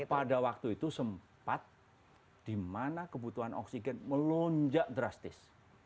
pada waktu itu sempat di mana kebutuhan oksigen melonjak drastis